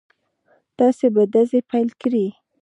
تاسې به ډزې پيل کړئ.